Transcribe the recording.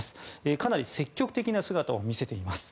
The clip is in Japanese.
かなり積極的な姿を見せています。